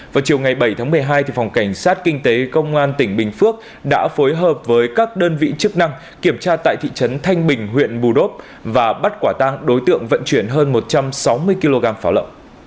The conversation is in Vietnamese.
vào chiều ngày bảy tháng một mươi hai phòng cảnh sát kinh tế công an tỉnh bình phước đã phối hợp với các đơn vị chức năng kiểm tra tại thị trấn thanh bình huyện bù đốp và bắt quả tang đối tượng vận chuyển hơn một trăm sáu mươi kg pháo lậu